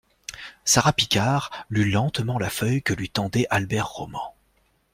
Sara Picard lut lentement la feuille que lui tendait Albert Roman.